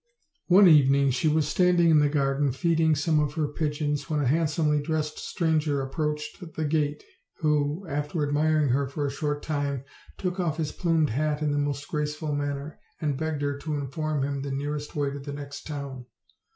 One evening she was standing in the garden, feeding some of her pigeons, when a handsomely dressed stranger approached the gate, who, after admiring her for a short time, took off his plumed hat in the most graceful man lier, and begged her to inform him the nearest way to the next town.